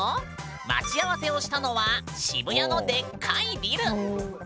待ち合わせをしたのは渋谷のでっかいビル。